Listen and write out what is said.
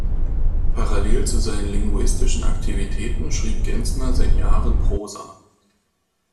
Parallel zu seinen linguistischen Aktivitäten schrieb Genzmer seit Jahren Prosa.